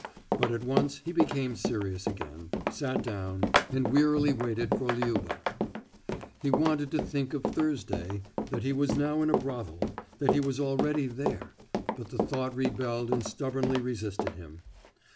But at once he became serious again, sat down, and wearily waited for Liuba. He wanted to think of Thursday, that he was now in a brothel that he was already there but the thought rebelled and stubbornly resisted him.